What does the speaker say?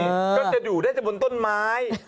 ก็จะอยู่ได้แต่บนต้นไม้